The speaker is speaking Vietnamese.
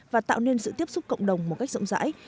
và tạo nên sự tiếp xúc cộng đồng một cách rộng rãi